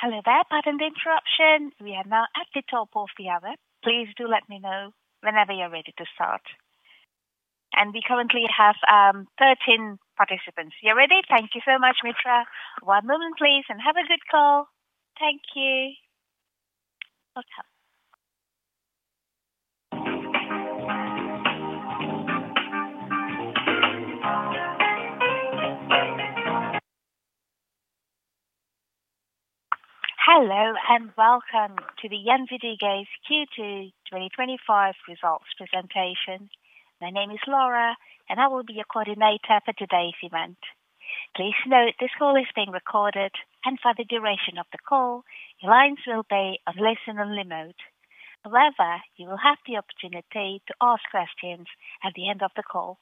Hello, there. Pardon the interruption. We are now at the top of the hour. Please do let me know whenever you're ready to start. We currently have 13 participants. You're ready? Thank you so much, Mitra. One moment, please, and have a good call. Thank you. Hello and welcome to Gjensidige Forsikring's Q2 2025 results presentation. My name is Laura, and I will be your coordinator for today's event. Please note this call is being recorded, and for the duration of the call, your lines will be on listen-only mode. However, you will have the opportunity to ask questions at the end of the call.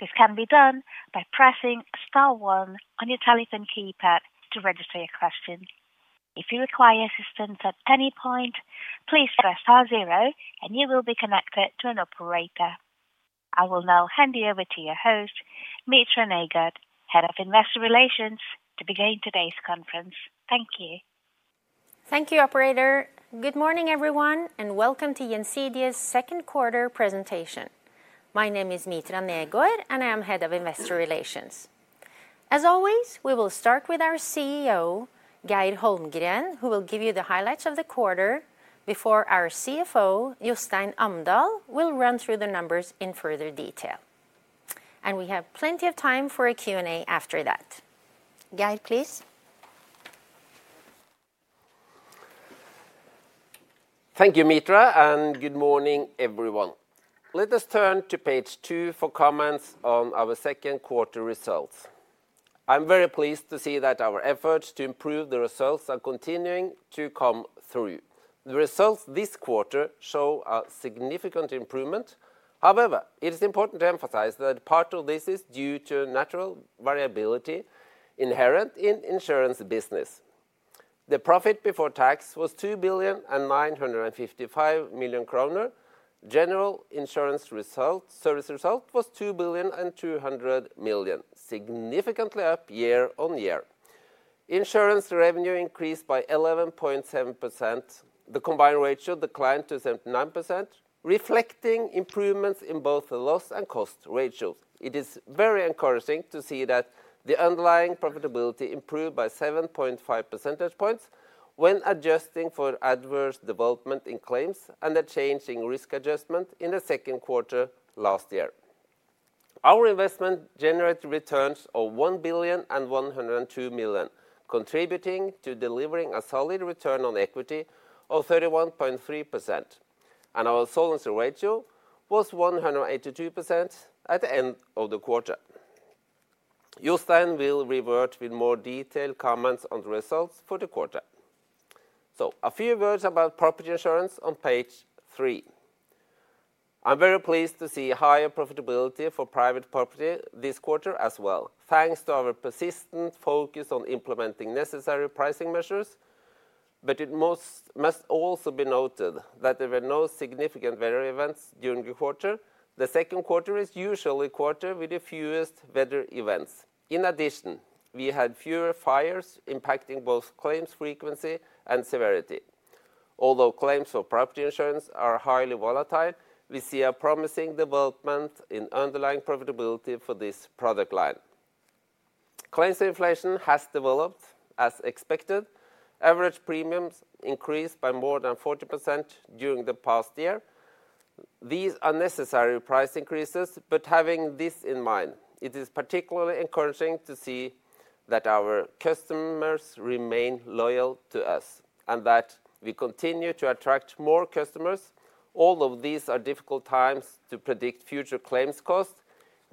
This can be done by pressing star one on your telephone keypad to register your question. If you require assistance at any point, please press star zero, and you will be connected to an operator. I will now hand you over to your host, Mitra Negård, Head of Investor Relations, to begin today's conference. Thank you. Thank you, Operator. Good morning, everyone, and welcome to Gjensidige Forsikring's second quarter presentation. My name is Mitra Negård, and I am Head of Investor Relations. As always, we will start with our CEO, Geir Holmgren, who will give you the highlights of the quarter before our CFO, Jostein Amdal, will run through the numbers in further detail. We have plenty of time for a Q&A after that. Geir, please. Thank you, Mitra, and good morning, everyone. Let us turn to page two for comments on our second quarter results. I'm very pleased to see that our efforts to improve the results are continuing to come through. The results this quarter show a significant improvement. However, it is important to emphasize that part of this is due to natural variability inherent in the insurance business. The profit before tax was 2,955,000,000 billion. General insurance service result was 2,200,000,000 billion, significantly up year-on-year. Insurance revenue increased by 11.7%. The combined ratio declined to 79%, reflecting improvements in both the loss and cost ratios. It is very encouraging to see that the underlying profitability improved by 7.5% points when adjusting for adverse development in claims and the changing risk adjustment in the second quarter last year. Our investment generated returns of 1,102,000,000 billion, contributing to delivering a solid return on equity of 31.3%. Our solvency ratio was 182% at the end of the quarter. Jostein will revert with more detailed comments on the results for the quarter. A few words about property insurance on page three. I'm very pleased to see higher profitability for private property this quarter as well, thanks to our persistent focus on implementing necessary pricing measures. It must also be noted that there were no significant weather events during the quarter. The second quarter is usually a quarter with the fewest weather events. In addition, we had fewer fires impacting both claims frequency and severity. Although claims for property insurance are highly volatile, we see a promising development in underlying profitability for this product line. Claims inflation has developed as expected. Average premiums increased by more than 40% during the past year. These are necessary price increases, but having this in mind, it is particularly encouraging to see that our customers remain loyal to us and that we continue to attract more customers. Although these are difficult times to predict future claims costs,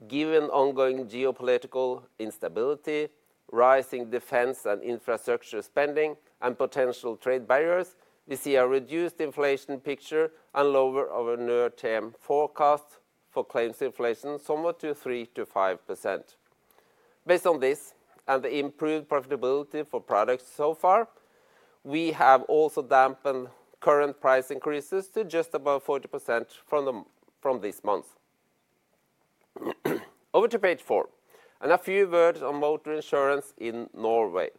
given ongoing geopolitical instability, rising defense and infrastructure spending, and potential trade barriers, we see a reduced inflation picture and lower over-the-term forecast for claims inflation, somewhere between 3%-5%. Based on this and the improved profitability for products so far, we have also dampened current price increases to just above 40% from this month. Over to page four and a few words on motor insurance in Norway,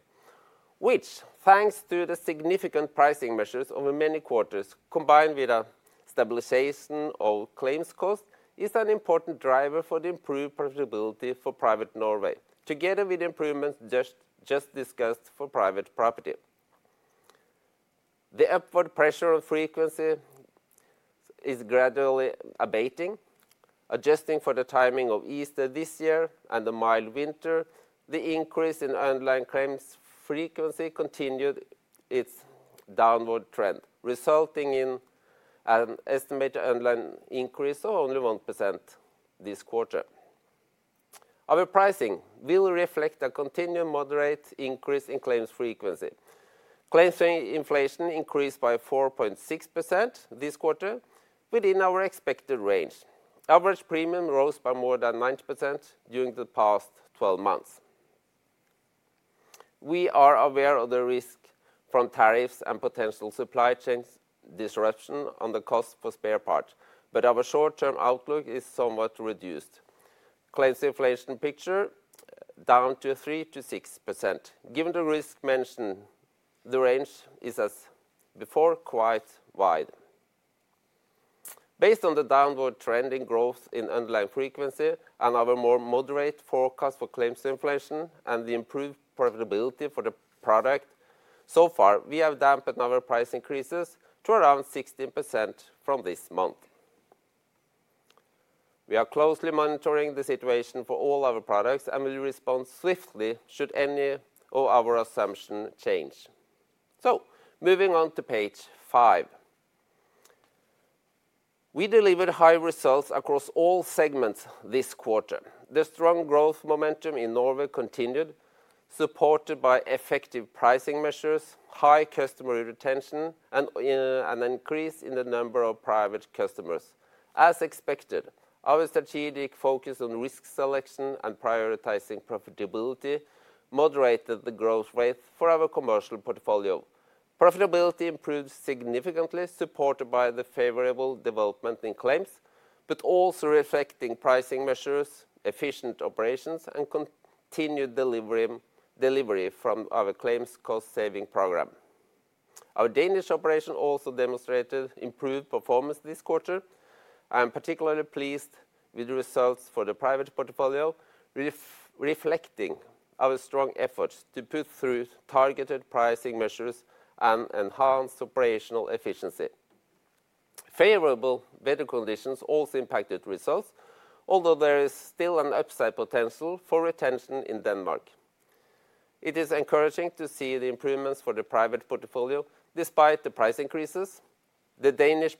which, thanks to the significant pricing measures over many quarters combined with a stabilization of claims costs, is an important driver for the improved profitability for private Norway, together with the improvements just discussed for private property. The upward pressure on frequency is gradually abating. Adjusting for the timing of Easter this year and the mild winter, the increase in underlying claims frequency continued its downward trend, resulting in an estimated underlying increase of only 1% this quarter. Our pricing will reflect a continued moderate increase in claims frequency. Claims inflation increased by 4.6% this quarter, within our expected range. Average premium rose by more than 9% during the past 12 months. We are aware of the risk from tariffs and potential supply chain disruption on the cost for spare parts, but our short-term outlook is somewhat reduced. Claims inflation picture down to 3%-6%. Given the risk mentioned, the range is, as before, quite wide. Based on the downward trend in growth in underlying frequency and our more moderate forecast for claims inflation and the improved profitability for the product, so far, we have dampened our price increases to around 16% from this month. We are closely monitoring the situation for all our products and will respond swiftly should any of our assumptions change. Moving on to page five. We delivered high results across all segments this quarter. The strong growth momentum in Norway continued, supported by effective pricing measures, high customer retention, and an increase in the number of private customers. As expected, our strategic focus on risk selection and prioritizing profitability moderated the growth rate for our commercial portfolio. Profitability improved significantly, supported by the favorable development in claims, but also reflecting pricing measures, efficient operations, and continued delivery from our claims cost-saving program. Our Danish operation also demonstrated improved performance this quarter. I am particularly pleased with the results for the private portfolio, reflecting our strong efforts to put through targeted pricing measures and enhanced operational efficiency. Favorable weather conditions also impacted results, although there is still an upside potential for retention in Denmark. It is encouraging to see the improvements for the private portfolio despite the price increases. The Danish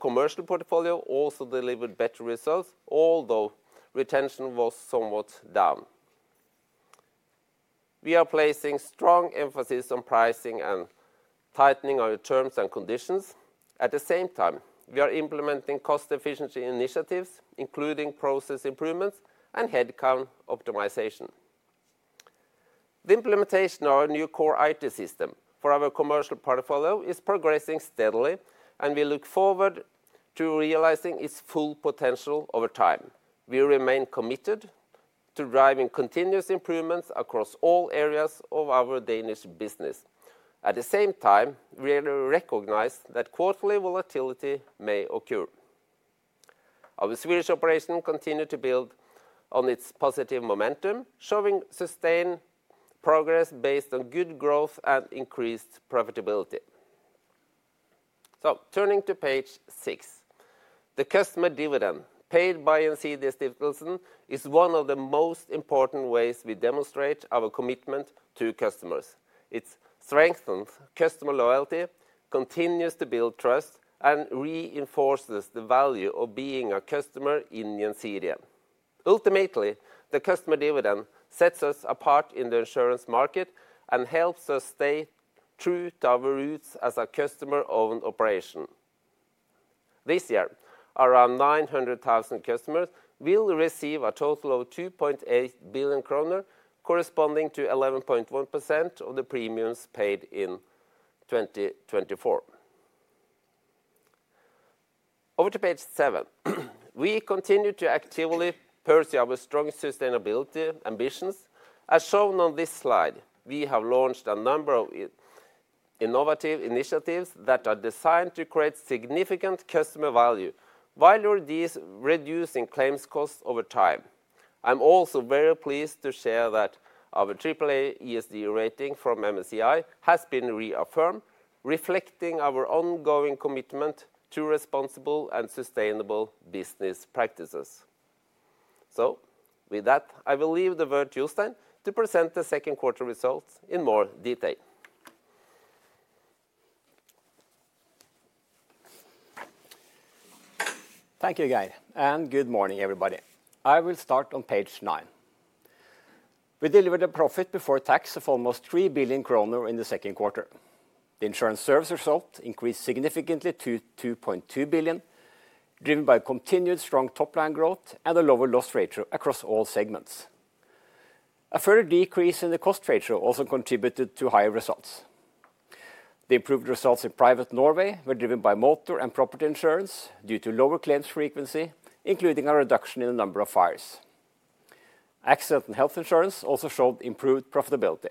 commercial portfolio also delivered better results, although retention was somewhat down. We are placing strong emphasis on pricing and tightening our terms and conditions. At the same time, we are implementing cost-efficiency initiatives, including process improvements and headcount optimization. The implementation of our new core IT system for our commercial portfolio is progressing steadily, and we look forward to realizing its full potential over time. We remain committed to driving continuous improvements across all areas of our Danish business. At the same time, we recognize that quarterly volatility may occur. Our Swedish operation continues to build on its positive momentum, showing sustained progress based on good growth and increased profitability. Turning to page six, the customer dividend paid by Gjensidige Stiftelsen is one of the most important ways we demonstrate our commitment to customers. It strengthens customer loyalty, continues to build trust, and reinforces the value of being a customer in Gjensidige. Ultimately, the customer dividend sets us apart in the insurance market and helps us stay true to our roots as a customer-owned operation. This year, around 900,000 customers will receive a total of 2.8 billion kroner, corresponding to 11.1% of the premiums paid in 2024. Over to page seven. We continue to actively pursue our strong sustainability ambitions. As shown on this slide, we have launched a number of innovative initiatives that are designed to create significant customer value while reducing claims costs over time. I'm also very pleased to share that our AAA ESG rating from MSCI has been reaffirmed, reflecting our ongoing commitment to responsible and sustainable business practices. With that, I will leave the word to Jostein to present the second quarter results in more detail. Thank you, Geir, and good morning, everybody. I will start on page nine. We delivered a profit before tax of almost 3 billion kroner in the second quarter. The insurance service result increased significantly to 2.2 billion, driven by continued strong top-line growth and a lower loss ratio across all segments. A further decrease in the cost ratio also contributed to higher results. The improved results in private Norway were driven by motor and property insurance due to lower claims frequency, including a reduction in the number of fires. Accident and health insurance also showed improved profitability.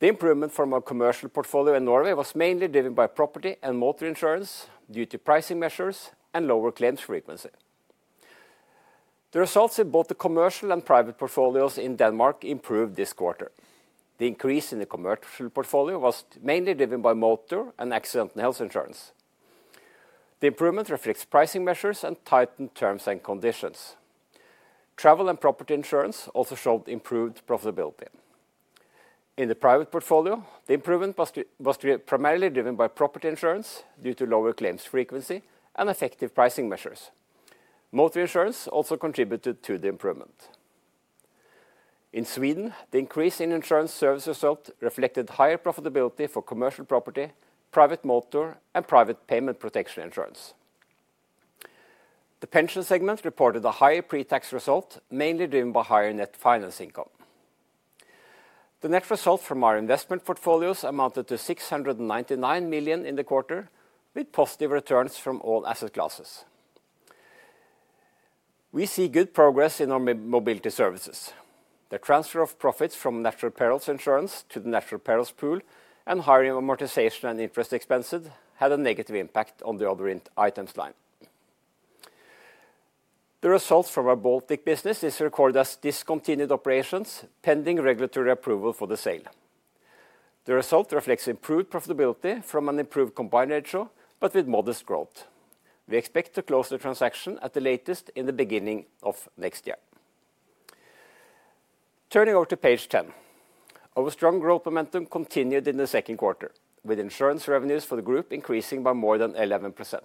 The improvement from our commercial portfolio in Norway was mainly driven by property and motor insurance due to pricing measures and lower claims frequency. The results in both the commercial and private portfolios in Denmark improved this quarter. The increase in the commercial portfolio was mainly driven by motor and accident and health insurance. The improvement reflects pricing measures and tightened terms and conditions. Travel and property insurance also showed improved profitability. In the private portfolio, the improvement was primarily driven by property insurance due to lower claims frequency and effective pricing measures. Motor insurance also contributed to the improvement. In Sweden, the increase in insurance service result reflected higher profitability for commercial property, private motor, and private payment protection insurance. The pension segment reported a higher pre-tax result, mainly driven by higher net finance income. The net result from our investment portfolios amounted to 699 million in the quarter, with positive returns from all asset classes. We see good progress in our mobility services. The transfer of profits from natural perils insurance to the natural perils pool and higher amortization and interest expenses had a negative impact on the other items line. The result from our Baltic business is recorded as discontinued operations pending regulatory approval for the sale. The result reflects improved profitability from an improved combined ratio, but with modest growth. We expect to close the transaction at the latest in the beginning of next year. Turning over to page ten, our strong growth momentum continued in the second quarter, with insurance revenues for the group increasing by more than 11%.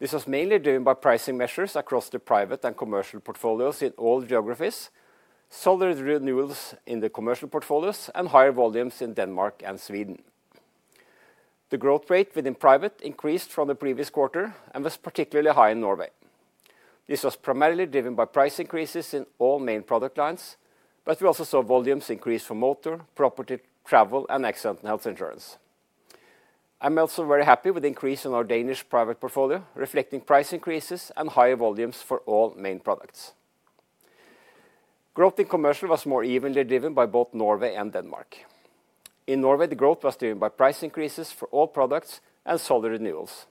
This was mainly driven by pricing measures across the private and commercial portfolios in all geographies, solid renewals in the commercial portfolios, and higher volumes in Denmark and Sweden. The growth rate within private increased from the previous quarter and was particularly high in Norway. This was primarily driven by price increases in all main product lines, but we also saw volumes increase for motor, property, travel, and accident and health insurance. I'm also very happy with the increase in our Danish private portfolio, reflecting price increases and higher volumes for all main products. Growth in commercial was more evenly driven by both Norway and Denmark. In Norway, the growth was driven by price increases for all products and solid renewals.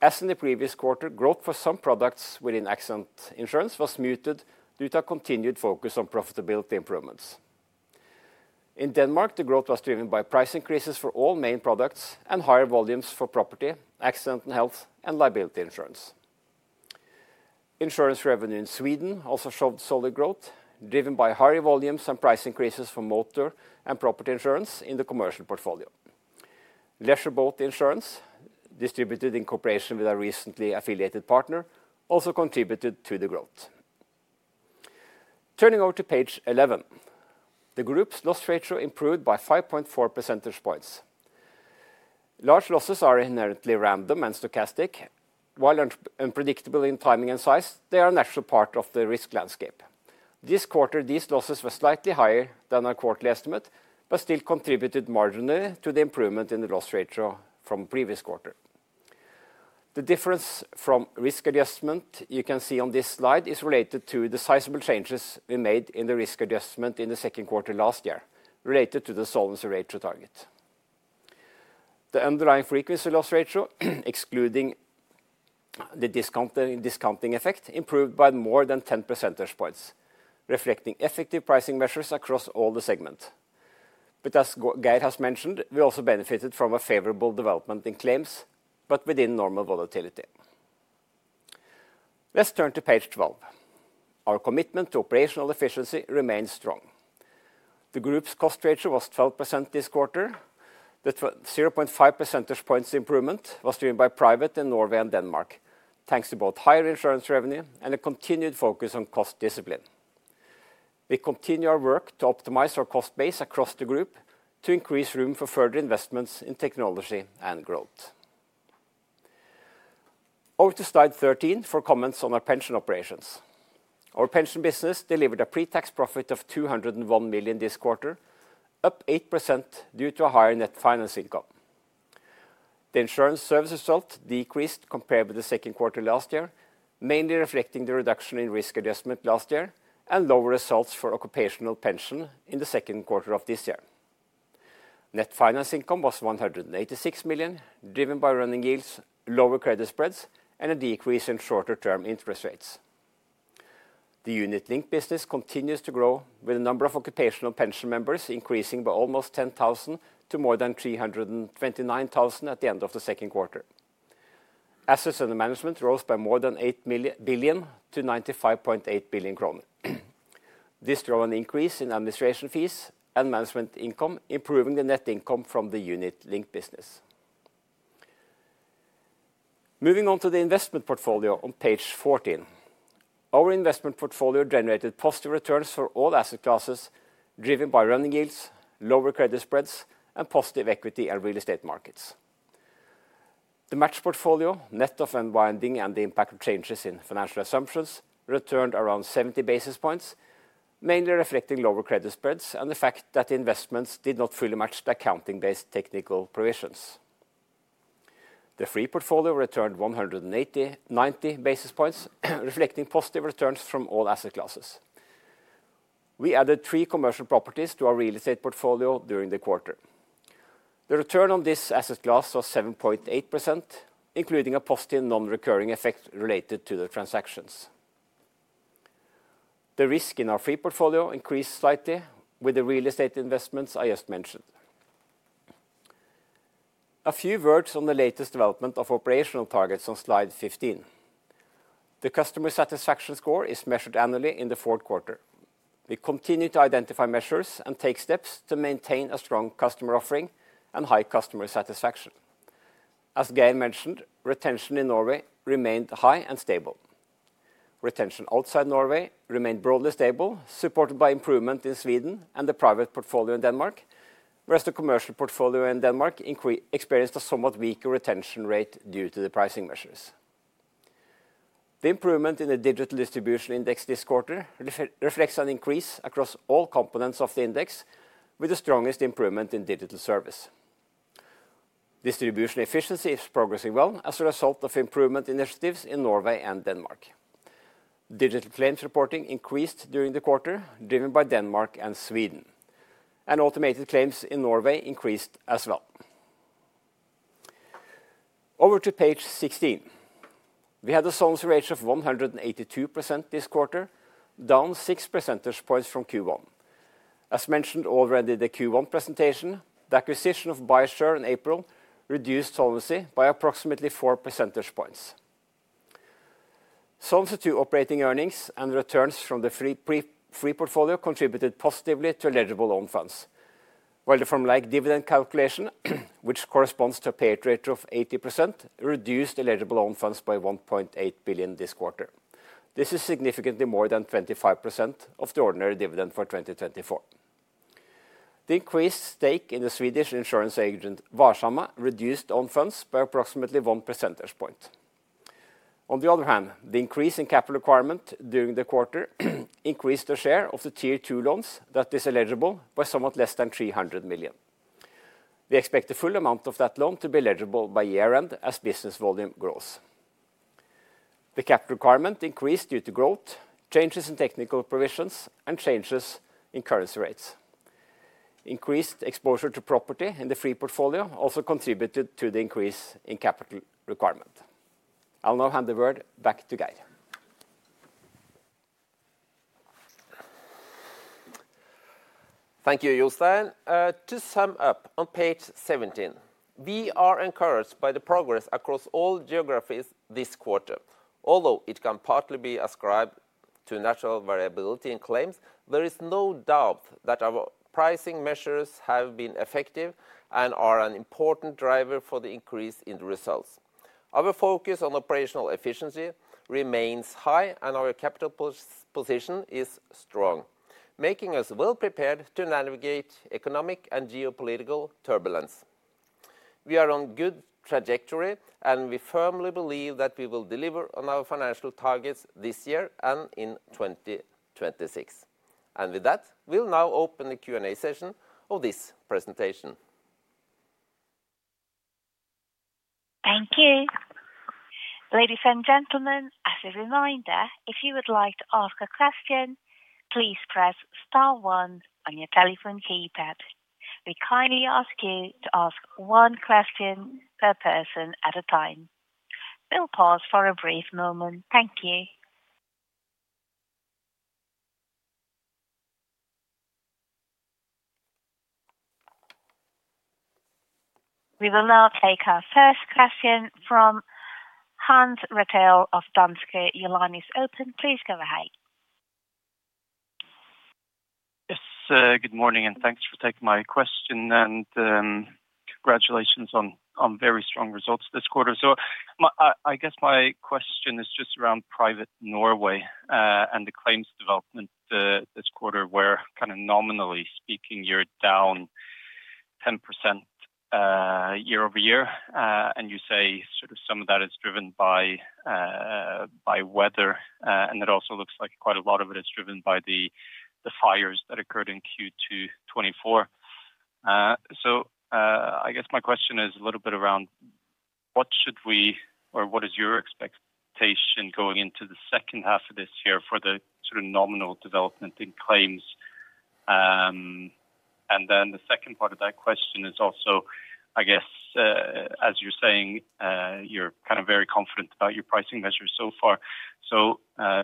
As in the previous quarter, growth for some products within accident insurance was muted due to a continued focus on profitability improvements. In Denmark, the growth was driven by price increases for all main products and higher volumes for property, accident and health, and liability insurance. Insurance revenue in Sweden also showed solid growth, driven by higher volumes and price increases for motor and property insurance in the commercial portfolio. Leisure boat insurance, distributed in cooperation with our recently affiliated partner, also contributed to the growth. Turning over to page 11, the group's loss ratio improved by 5.4% points. Large losses are inherently random and stochastic. While unpredictable in timing and size, they are a natural part of the risk landscape. This quarter, these losses were slightly higher than our quarterly estimate, but still contributed marginally to the improvement in the loss ratio from the previous quarter. The difference from risk adjustment you can see on this slide is related to the sizable changes we made in the risk adjustment in the second quarter last year, related to the solvency ratio target. The underlying frequency loss ratio, excluding the discounting effect, improved by more than 10% points, reflecting effective pricing measures across all the segments. As Geir has mentioned, we also benefited from a favorable development in claims, but within normal volatility. Let's turn to page 12. Our commitment to operational efficiency remains strong. The group's cost ratio was 12% this quarter. The 0.5% points improvement was driven by private in Norway and Denmark, thanks to both higher insurance revenue and a continued focus on cost discipline. We continue our work to optimize our cost base across the group to increase room for further investments in technology and growth. Over to slide 13 for comments on our pension operations. Our pension business delivered a pre-tax profit of 201 million this quarter, up 8% due to a higher net finance income. The insurance service result decreased compared with the second quarter last year, mainly reflecting the reduction in risk adjustment last year and lower results for occupational pension in the second quarter of this year. Net finance income was 186 million, driven by running yields, lower credit spreads, and a decrease in shorter-term interest rates. The unit-linked business continues to grow, with the number of occupational pension members increasing by almost 10,000 to more than 329,000 at the end of the second quarter. Assets under management rose by more than 8 billion-95.8 billion kroner. This drove an increase in administration fees and management income, improving the net income from the unit-linked business. Moving on to the investment portfolio on page 14. Our investment portfolio generated positive returns for all asset classes, driven by running yields, lower credit spreads, and positive equity and real estate markets. The match portfolio, net of unbinding and the impact of changes in financial assumptions, returned around 70 basis points, mainly reflecting lower credit spreads and the fact that investments did not fully match the accounting-based technical provisions. The free portfolio returned 180, 90 basis points, reflecting positive returns from all asset classes. We added three commercial properties to our real estate portfolio during the quarter. The return on this asset class was 7.8%, including a positive non-recurring effect related to the transactions. The risk in our free portfolio increased slightly with the real estate investments I just mentioned. A few words on the latest development of operational targets on slide 15. The customer satisfaction score is measured annually in the fourth quarter. We continue to identify measures and take steps to maintain a strong customer offering and high customer satisfaction. As Geir mentioned, retention in Norway remained high and stable. Retention outside Norway remained broadly stable, supported by improvement in Sweden and the private portfolio in Denmark, whereas the commercial portfolio in Denmark experienced a somewhat weaker retention rate due to the pricing measures. The improvement in the digital distribution index this quarter reflects an increase across all components of the index, with the strongest improvement in digital service. Distribution efficiency is progressing well as a result of improvement initiatives in Norway and Denmark. Digital claims reporting increased during the quarter, driven by Denmark and Sweden, and automated claims in Norway increased as well. Over to page 16. We had a solvency ratio of 182% this quarter, down 6% points from Q1. As mentioned already in the Q1 presentation, the acquisition of BioSure in April reduced solvency by approximately 4% points. Solvency to operating earnings and returns from the free portfolio contributed positively to eligible loan funds, while the formulaic dividend calculation, which corresponds to a payout ratio of 80%, reduced eligible loan funds by 1.8 billion this quarter. This is significantly more than 25% of the ordinary dividend for 2024. The increased stake in the Swedish insurance agent Varsama reduced loan funds by approximately 1% point. On the other hand, the increase in capital requirement during the quarter increased the share of the tier two loans that is eligible by somewhat less than 300 million. We expect the full amount of that loan to be eligible by year-end as business volume grows. The capital requirement increased due to growth, changes in technical provisions, and changes in currency rates. Increased exposure to property in the free portfolio also contributed to the increase in capital requirement. I'll now hand the word back to Geir. Thank you, Jostein. To sum up on page 17, we are encouraged by the progress across all geographies this quarter. Although it can partly be ascribed to natural variability in claims, there is no doubt that our pricing measures have been effective and are an important driver for the increase in the results. Our focus on operational efficiency remains high, and our capital position is strong, making us well prepared to navigate economic and geopolitical turbulence. We are on good trajectory, and we firmly believe that we will deliver on our financial targets this year and in 2026. With that, we'll now open the Q&A session of this presentation. Thank you. Ladies and gentlemen, as a reminder, if you would like to ask a question, please press star one on your telephone keypad. We kindly ask you to ask one question per person at a time. We'll pause for a brief moment. Thank you. We will now take our first question from Hans Rettedal of Danske Bank. Open, please go ahead. Yes, good morning, and thanks for taking my question. Congratulations on very strong results this quarter. I guess my question is just around private Norway and the claims development this quarter, where kind of nominally speaking, you're down 10% year-over-year. You say sort of some of that is driven by weather, and it also looks like quite a lot of it is driven by the fires that occurred in Q2 2024. I guess my question is a little bit around what should we, or what is your expectation going into the second half of this year for the sort of nominal development in claims? The second part of that question is also, I guess, as you're saying, you're kind of very confident about your pricing measures so far.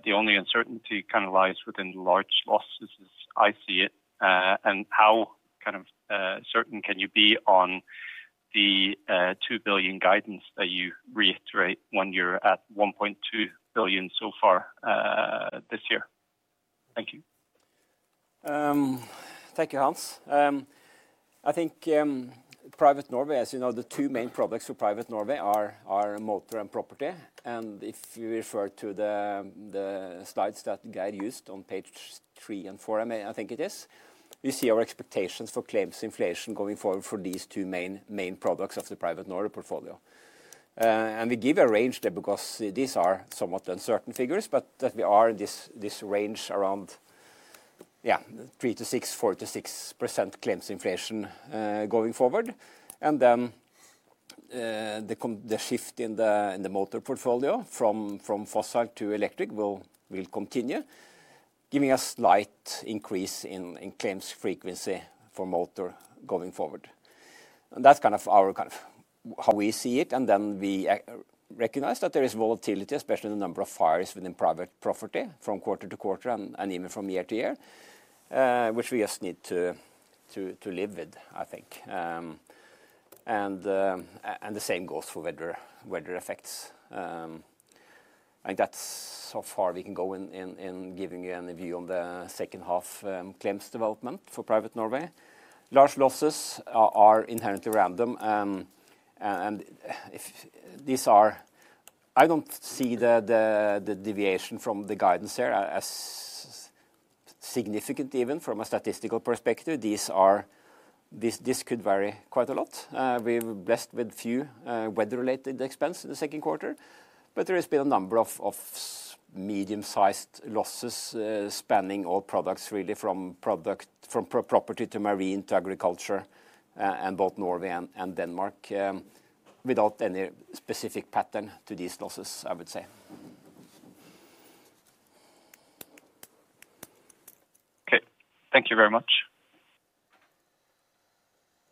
The only uncertainty kind of lies within large losses, as I see it. How kind of certain can you be on the 2 billion guidance that you reiterate when you're at 1.2 billion so far this year? Thank you. Thank you, Hans. I think. Private Norway, as you know, the two main products for Private Norway are motor and property. If we refer to the slides that Geir used on page three and four, I think it is, we see our expectations for claims inflation going forward for these two main products of the Private Norway portfolio. We give a range there because these are somewhat uncertain figures, but that we are in this range around, yeah, 3%-6%, 4%-6% claims inflation going forward. The shift in the motor portfolio from fossil to electric will continue, giving us a slight increase in claims frequency for motor going forward. That is kind of how we see it. We recognize that there is volatility, especially in the number of fires within private property from quarter to quarter and even from year to year, which we just need to live with, I think. The same goes for weather effects. I think that is so far we can go in giving you a view on the second half claims development for private Norway. Large losses are inherently random. I do not see the deviation from the guidance here as significant even from a statistical perspective. These could vary quite a lot. We are blessed with few weather-related expenses in the second quarter, but there has been a number of medium-sized losses spanning all products, really from property to marine to agriculture in both Norway and Denmark, without any specific pattern to these losses, I would say. Okay, thank you very much.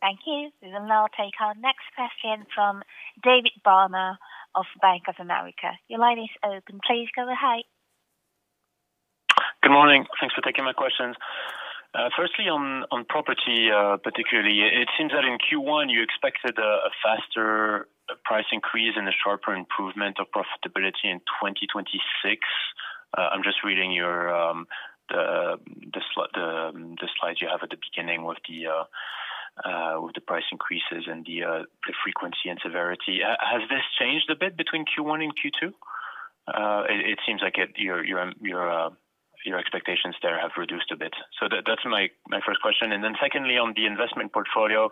Thank you. We will now take our next question from David Barma of Bank of America. Jolanis, open, please go ahead. Good morning. Thanks for taking my questions. Firstly, on property particularly, it seems that in Q1, you expected a faster price increase and a sharper improvement of profitability in 2026. I'm just reading the slides you have at the beginning with the price increases and the frequency and severity. Has this changed a bit between Q1 and Q2? It seems like your expectations there have reduced a bit. That is my first question. Secondly, on the investment portfolio,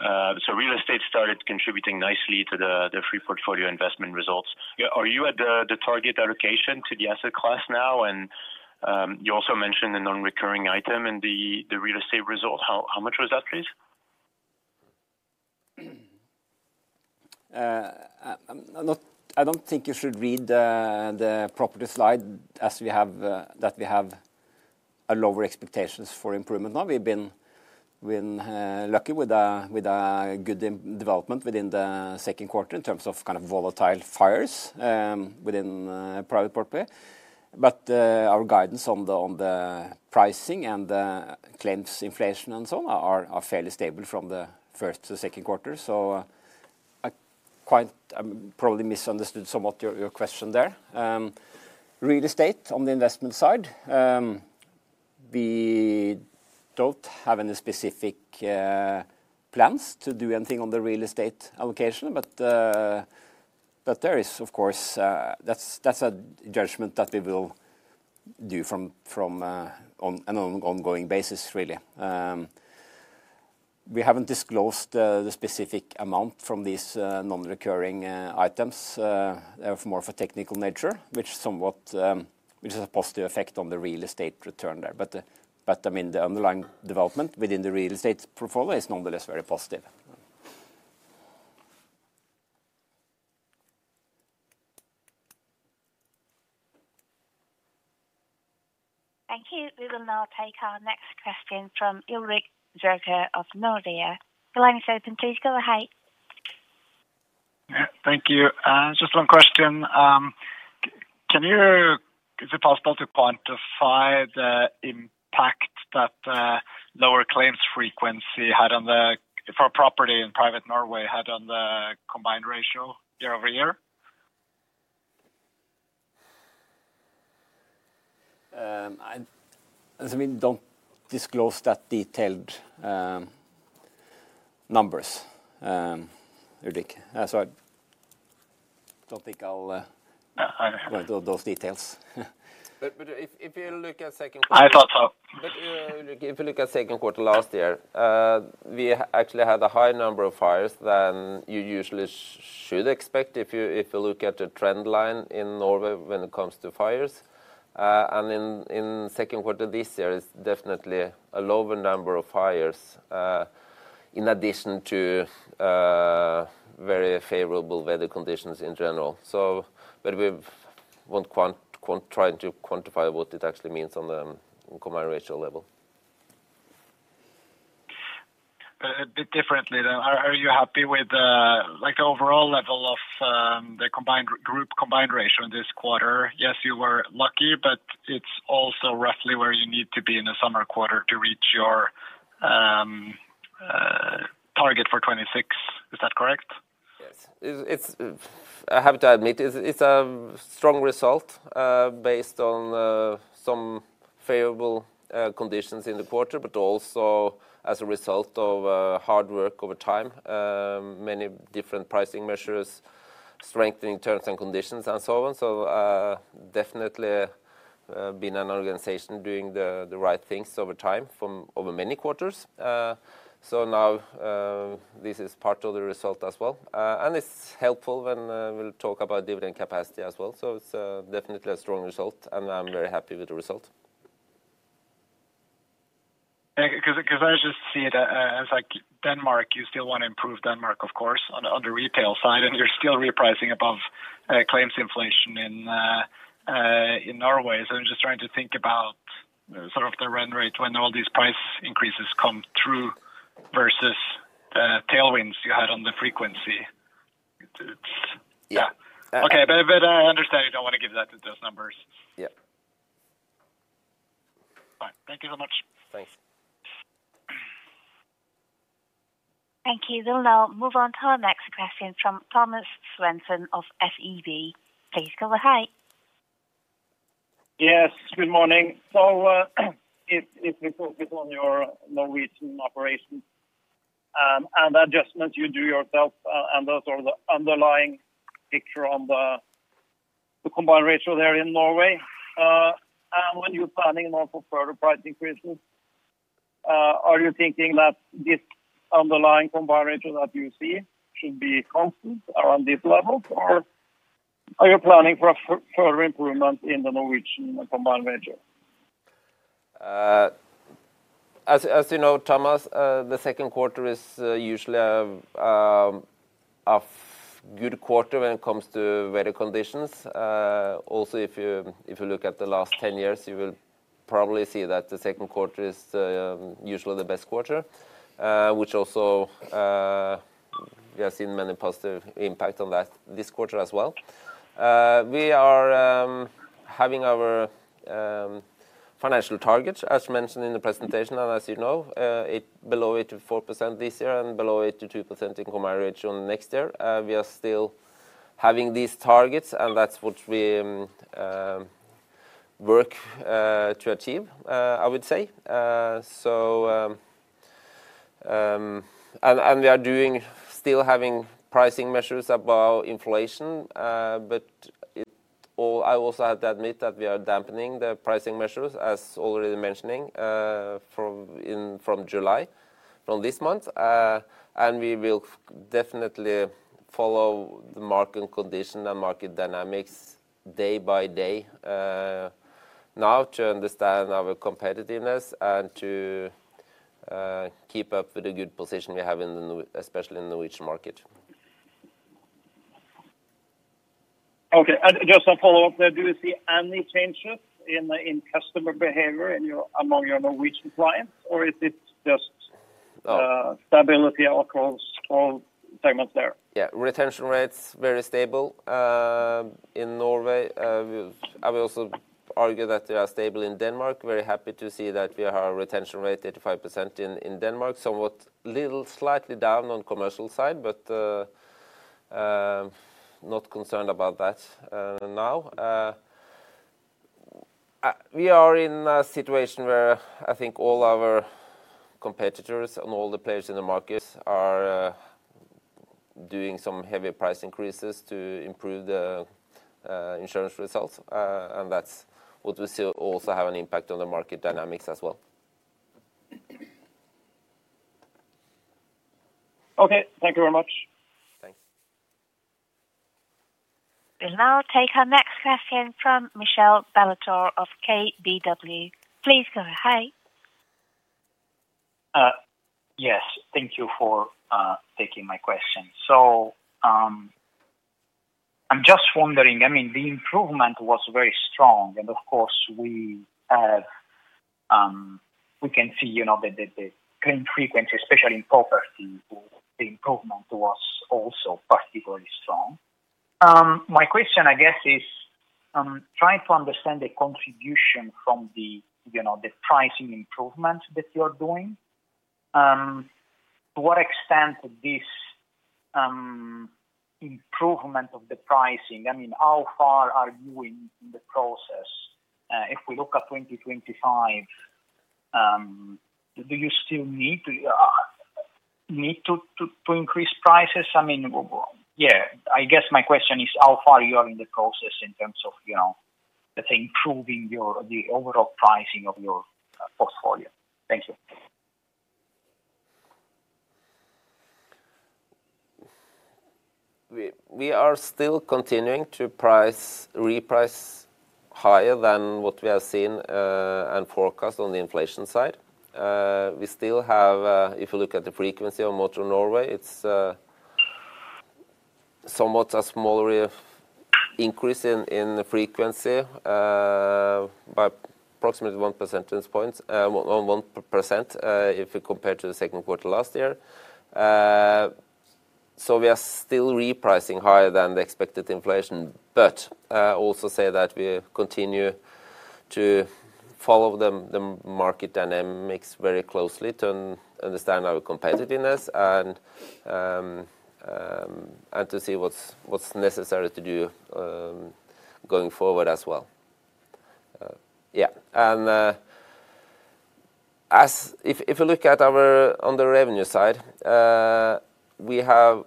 real estate started contributing nicely to the free portfolio investment results. Are you at the target allocation to the asset class now? You also mentioned a non-recurring item in the real estate result. How much was that, please? I do not think you should read the property slide as we have a lower expectations for improvement now. We have been lucky with a good development within the second quarter in terms of kind of volatile fires within private property. Our guidance on the pricing and the claims inflation and so on are fairly stable from the first to second quarter. I probably misunderstood somewhat your question there. Real estate on the investment side, we do not have any specific plans to do anything on the real estate allocation. There is, of course, that is a judgment that we will do on an ongoing basis, really. We have not disclosed the specific amount from these non-recurring items. They are more for technical nature, which is a positive effect on the real estate return there. I mean, the underlying development within the real estate portfolio is nonetheless very positive. Thank you. We will now take our next question from Ulrik Jørgensen of Nordea. Jørgensen, open, please go ahead. Thank you. Just one question. Is it possible to quantify the impact that lower claims frequency had on the for property in private Norway had on the combined ratio year-over-year? As I mean, don't disclose that detailed numbers, Ulrik. I don't think I'll, those details. If you look at second quarter. I thought so. If you look at second quarter last year, we actually had a higher number of fires than you usually should expect if you look at the trend line in Norway when it comes to fires. In second quarter this year, it is definitely a lower number of fires. In addition to very favorable weather conditions in general. We will not try to quantify what it actually means on the combined ratio level. A bit differently then. Are you happy with the overall level of the combined ratio in this quarter? Yes, you were lucky, but it is also roughly where you need to be in the summer quarter to reach your target for 2026. Is that correct? Yes. I have to admit, it's a strong result. Based on some favorable conditions in the quarter, but also as a result of hard work over time, many different pricing measures, strengthening terms and conditions, and so on. Definitely been an organization doing the right things over time over many quarters. Now, this is part of the result as well. It's helpful when we talk about dividend capacity as well. It's definitely a strong result, and I'm very happy with the result. Because I just see it as Denmark, you still want to improve Denmark, of course, on the retail side, and you're still repricing above claims inflation in Norway. I am just trying to think about sort of the run rate when all these price increases come through versus the tailwinds you had on the frequency. Yeah. Okay, but I understand you do not want to give that to those numbers. Yeah. All right. Thank you so much. Thanks. Thank you. We'll now move on to our next question from Thomas Swenson of SEB. Please go ahead. Yes, good morning. If we focus on your Norwegian operations and adjustments you do yourself, those are the underlying picture on the combined ratio there in Norway. When you're planning more for further price increases, are you thinking that this underlying combined ratio that you see should be constant around these levels, or are you planning for further improvements in the Norwegian combined ratio? As you know, Thomas, the second quarter is usually a good quarter when it comes to weather conditions. Also, if you look at the last 10 years, you will probably see that the second quarter is usually the best quarter, which also we have seen many positive impacts on that this quarter as well. We are having our financial targets, as mentioned in the presentation, and as you know, below 84% this year and below 82% in combined ratio next year. We are still having these targets, and that is what we work to achieve, I would say. We are still having pricing measures about inflation, but I also have to admit that we are dampening the pricing measures, as already mentioning from July, from this month. We will definitely follow the market condition and market dynamics day by day. Now to understand our competitiveness and to. Keep up with the good position we have in the, especially in the Norwegian market. Okay. Just a follow-up there. Do you see any changes in customer behavior among your Norwegian clients, or is it just stability across all segments there? Yeah, retention rate's very stable. In Norway. I would also argue that they are stable in Denmark. Very happy to see that we have a retention rate of 85% in Denmark. Somewhat little, slightly down on the commercial side, but not concerned about that. Now. We are in a situation where I think all our competitors and all the players in the market are doing some heavy price increases to improve the insurance results. And that's what we still also have an impact on the market dynamics as well. Okay. Thank you very much. Thanks. We'll now take our next question from Michelle Balatard of KBW. Please go ahead. Yes. Thank you for taking my question. I'm just wondering, I mean, the improvement was very strong, and of course, we can see the claim frequency, especially in property, the improvement was also particularly strong. My question, I guess, is trying to understand the contribution from the pricing improvement that you're doing. To what extent this improvement of the pricing, I mean, how far are you in the process? If we look at 2025, do you still need to increase prices? I mean, yeah, I guess my question is how far you are in the process in terms of improving the overall pricing of your portfolio. Thank you. We are still continuing to reprice higher than what we have seen and forecast on the inflation side. We still have, if you look at the frequency of motor Norway, it is somewhat a smaller increase in frequency by approximately 1% if we compare to the second quarter last year. We are still repricing higher than the expected inflation, but also say that we continue to follow the market dynamics very closely to understand our competitiveness and to see what is necessary to do going forward as well. Yeah. If we look at our on the revenue side, we have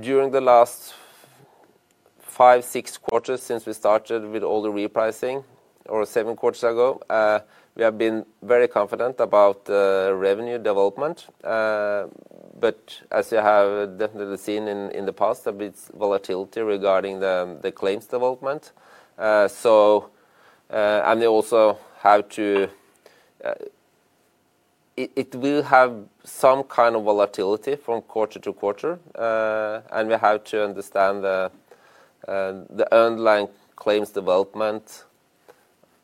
during the last five, six quarters since we started with all the repricing, or seven quarters ago, we have been very confident about the revenue development. As you have definitely seen in the past, there is volatility regarding the claims development. They also have to. It will have some kind of volatility from quarter to quarter. We have to understand the underlying claims development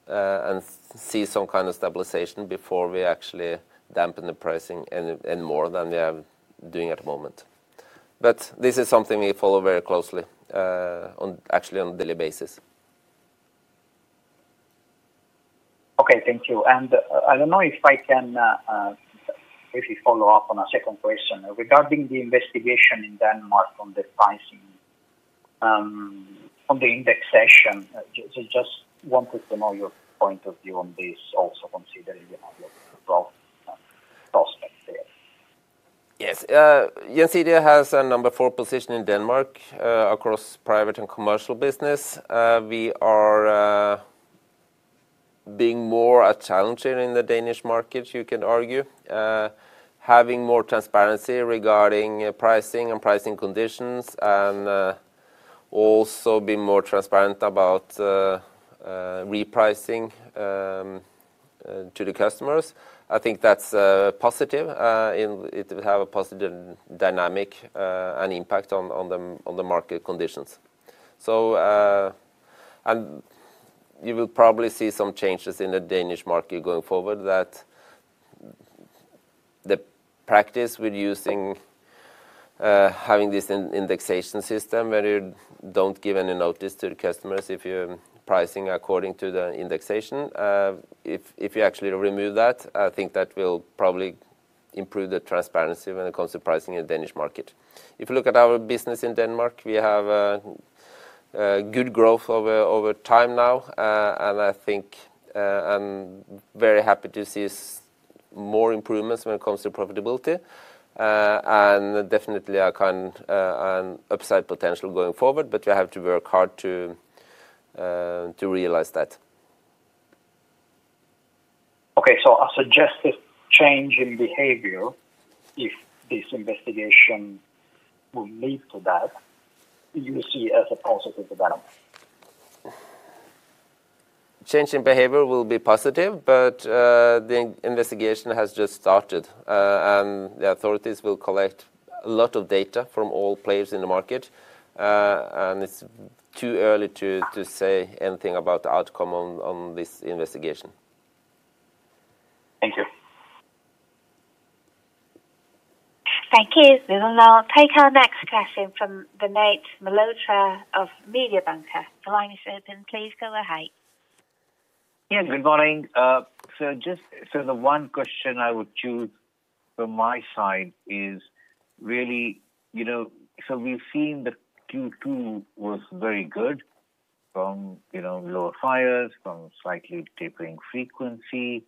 and see some kind of stabilization before we actually dampen the pricing any more than we are doing at the moment. This is something we follow very closely, actually on a daily basis. Okay. Thank you. I don't know if I can basically follow up on a second question regarding the investigation in Denmark on the pricing. On the indexation. Just wanted to know your point of view on this, also considering your growth prospect there. Yes. Gjensidige has a number four position in Denmark across private and commercial business. We are being more challenging in the Danish market, you can argue. Having more transparency regarding pricing and pricing conditions, and also being more transparent about repricing to the customers. I think that's positive. It will have a positive dynamic and impact on the market conditions. You will probably see some changes in the Danish market going forward that the practice with using, having this indexation system where you do not give any notice to the customers if you are pricing according to the indexation. If you actually remove that, I think that will probably improve the transparency when it comes to pricing in the Danish market. If you look at our business in Denmark, we have good growth over time now. I think I'm very happy to see more improvements when it comes to profitability. is definitely an upside potential going forward, but we have to work hard to realize that. Okay. So a suggested change in behavior, if this investigation will lead to that, you see as a positive development? Change in behavior will be positive, but the investigation has just started. The authorities will collect a lot of data from all players in the market. It is too early to say anything about the outcome on this investigation. Thank you. Thank you. We will now take our next question from Nitin Malhotra of Mediobanca. The line is open, please go ahead. Yes. Good morning. The one question I would choose from my side is really, we have seen that Q2 was very good from lower fires, from slightly tapering frequency.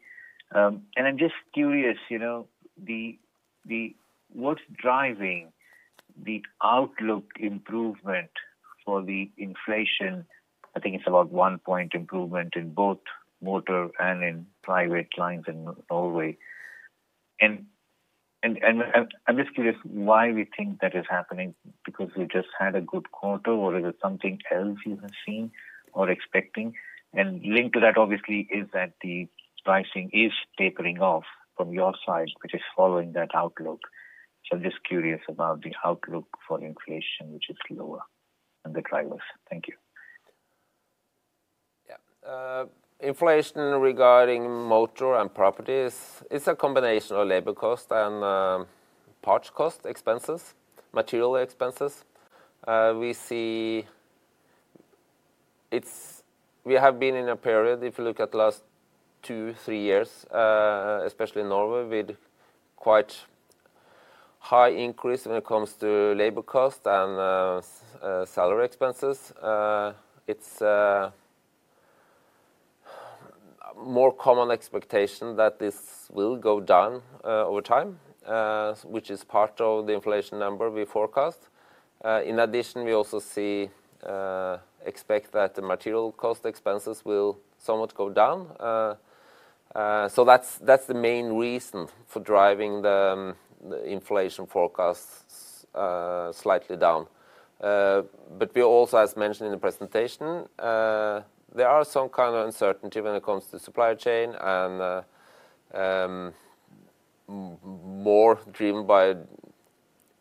I am just curious, what is driving the outlook improvement for the inflation? I think it is about one-point improvement in both motor and in private lines in Norway. I am just curious why we think that is happening. Is it because we just had a good quarter, or is it something else you have seen or are expecting? Linked to that, obviously, is that the pricing is tapering off from your side, which is following that outlook. I am just curious about the outlook for inflation, which is lower than the drivers. Thank you. Yeah. Inflation regarding motor and property is a combination of labor cost and parts cost expenses, material expenses. We see we have been in a period, if you look at the last two, three years, especially in Norway, with quite high increase when it comes to labor cost and salary expenses. It's a more common expectation that this will go down over time, which is part of the inflation number we forecast. In addition, we also see, expect that the material cost expenses will somewhat go down. So that's the main reason for driving the inflation forecast slightly down. We also, as mentioned in the presentation, there are some kind of uncertainty when it comes to supply chain and more driven by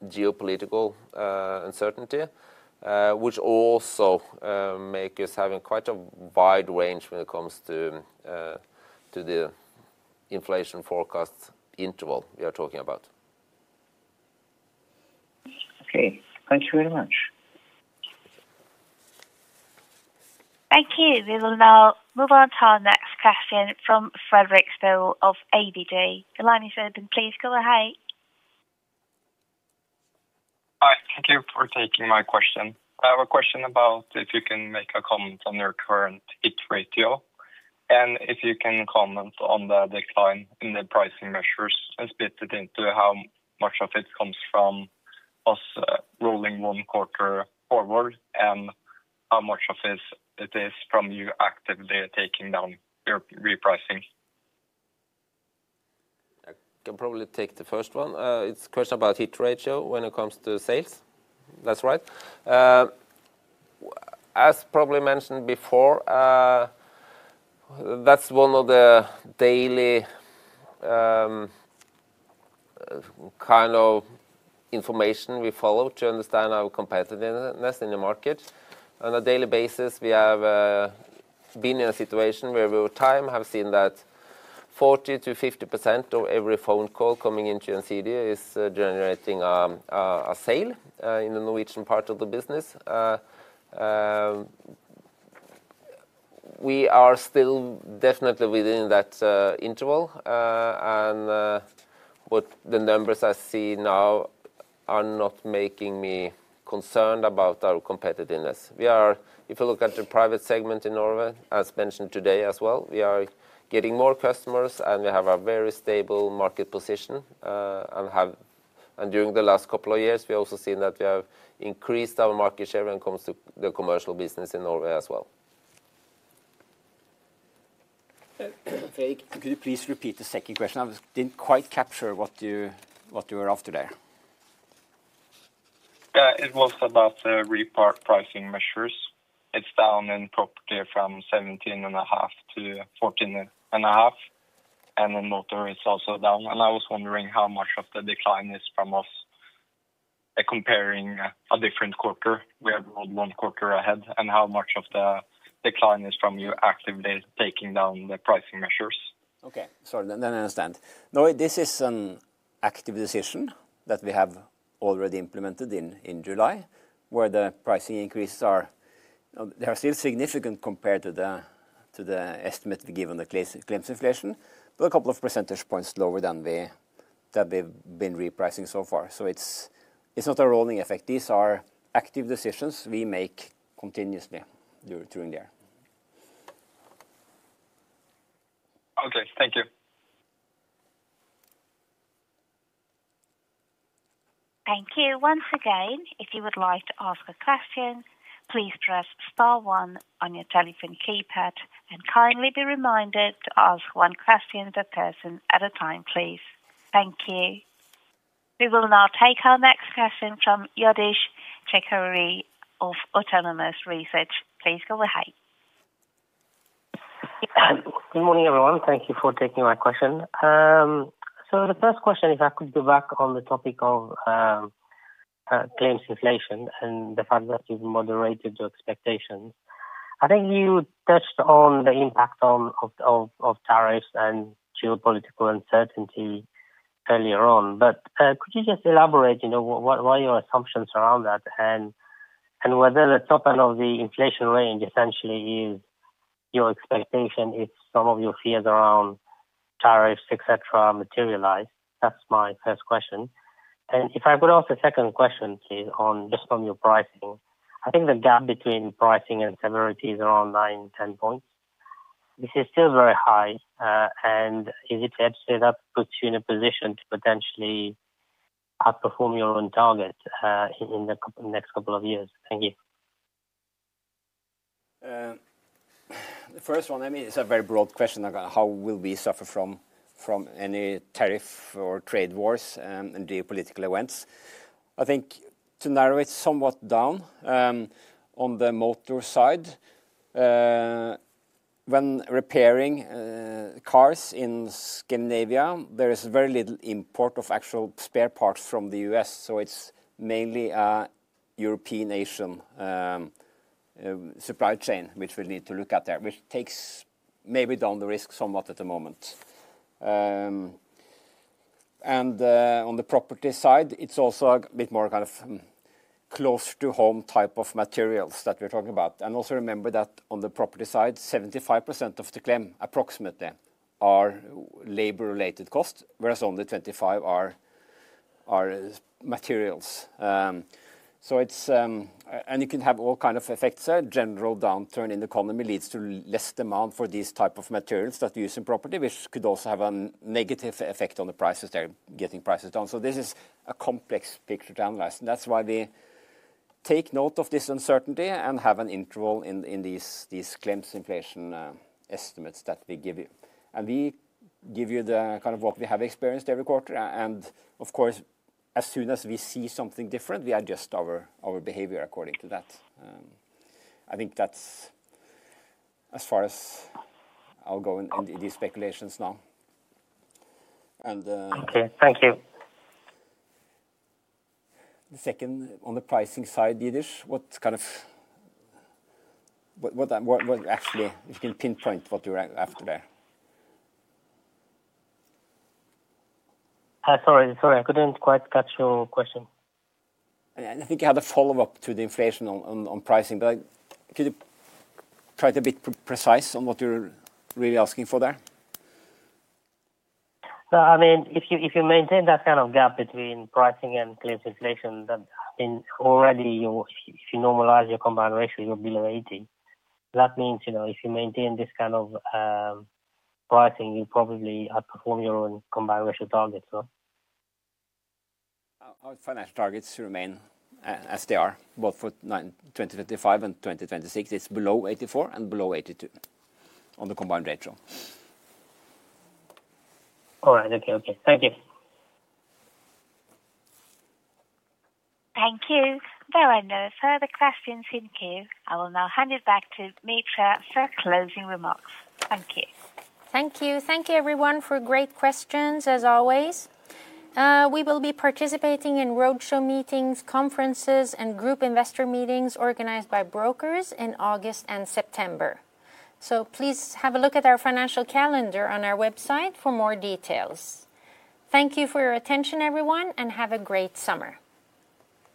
geopolitical uncertainty, which also makes us having quite a wide range when it comes to the inflation forecast interval we are talking about. Okay. Thank you very much. Thank you. We will now move on to our next question from Fredrik Andersson of ABG. Fredrik, please go ahead. Hi. Thank you for taking my question. I have a question about if you can make a comment on your current hit ratio. If you can comment on the decline in the pricing measures and split it into how much of it comes from us rolling one quarter forward and how much of it is from you actively taking down your repricing. I can probably take the first one. It's a question about hit ratio when it comes to sales. That's right. As probably mentioned before, that's one of the daily kind of information we follow to understand our competitiveness in the market. On a daily basis, we have been in a situation where we over time have seen that 40%-50% of every phone call coming into Gjensidige is generating a sale in the Norwegian part of the business. We are still definitely within that interval. What the numbers I see now are not making me concerned about our competitiveness. If you look at the private segment in Norway, as mentioned today as well, we are getting more customers, and we have a very stable market position. During the last couple of years, we have also seen that we have increased our market share when it comes to the commercial business in Norway as well. Greg, could you please repeat the second question? I didn't quite capture what you were after there. Yeah. It was about the repricing measures. It is down in property from 17.5%-14.5%. In motor, it is also down. I was wondering how much of the decline is from us comparing a different quarter. We have one quarter ahead. How much of the decline is from you actively taking down the pricing measures? Okay. Sorry. Then I understand. No, this is an active decision that we have already implemented in July, where the pricing increases are still significant compared to the estimate we give on the claims inflation, but a couple of percentage points lower than we've been repricing so far. It is not a rolling effect. These are active decisions we make continuously during the year. Okay. Thank you. Thank you. Once again, if you would like to ask a question, please press star one on your telephone keypad and kindly be reminded to ask one question per person at a time, please. Thank you. We will now take our next question from Youdish Chicooree of Autonomous Research. Please go ahead. Good morning, everyone. Thank you for taking my question. The first question, if I could go back on the topic of claims inflation and the fact that you've moderated your expectations. I think you touched on the impact of tariffs and geopolitical uncertainty earlier on. Could you just elaborate what are your assumptions around that and whether the top end of the inflation range essentially is your expectation if some of your fears around tariffs, etc., materialize? That's my first question. If I could ask a second question, please, just on your pricing. I think the gap between pricing and severity is around 9-10 points. This is still very high. Is it actually that puts you in a position to potentially outperform your own target in the next couple of years? Thank you. The first one, I mean, it's a very broad question. How will we suffer from any tariff or trade wars and geopolitical events? I think to narrow it somewhat down. On the motor side, when repairing cars in Scandinavia, there is very little import of actual spare parts from the U.S. So it's mainly a European-Asian supply chain, which we need to look at there, which takes maybe down the risk somewhat at the moment. On the property side, it's also a bit more kind of close-to-home type of materials that we're talking about. Also remember that on the property side, 75% of the claim, approximately, are labor-related costs, whereas only 25% are materials. You can have all kinds of effects. General downturn in the economy leads to less demand for these types of materials that you use in property, which could also have a negative effect on the prices. They're getting prices down. This is a complex picture to analyze. That is why we take note of this uncertainty and have an interval in these claims inflation estimates that we give you. We give you the kind of what we have experienced every quarter. Of course, as soon as we see something different, we adjust our behavior according to that. I think that's as far as I'll go in these speculations now. Okay. Thank you. The second on the pricing side, Youdish, what kind of. What actually, if you can pinpoint what you're after there? Hi. Sorry, sorry. I couldn't quite catch your question. I think you had a follow-up to the inflation on pricing. Could you try to be precise on what you're really asking for there? I mean, if you maintain that kind of gap between pricing and claims inflation, then already, if you normalize your combined ratio, you're below 80. That means if you maintain this kind of pricing, you probably outperform your own combined ratio targets, no? Our financial targets remain as they are, both for 2025 and 2026. It's below 84 and below 82 on the combined ratio. All right. Okay. Thank you. Thank you. There are no further questions in queue. I will now hand it back to Mitra for closing remarks. Thank you. Thank you. Thank you, everyone, for great questions, as always. We will be participating in roadshow meetings, conferences, and group investor meetings organized by brokers in August and September. Please have a look at our financial calendar on our website for more details. Thank you for your attention, everyone, and have a great summer.